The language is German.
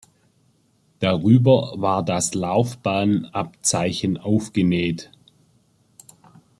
Darüber war das Laufbahnabzeichen aufgenäht.